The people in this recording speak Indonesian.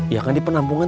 ya kan di penampungan